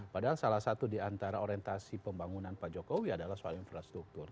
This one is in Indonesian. padahal salah satu di antara orientasi pembangunan pak jokowi adalah soal infrastruktur